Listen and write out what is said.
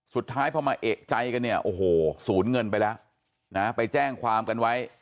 สุดท้ายพอมาเอกใจกันเนี่ยโอ้โหสูญเงินไปแล้วนะไปแจ้งความกันไว้